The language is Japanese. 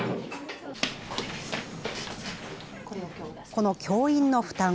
この教員の負担。